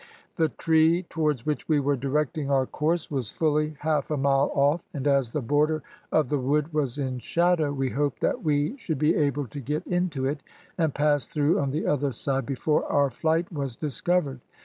The tree, towards which we were directing our course, was fully half a mile off, and as the border of the wood was in shadow, we hoped that we should be able to get into it, and pass through on the other side before our flight was discovered.